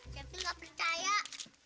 cepi gak percaya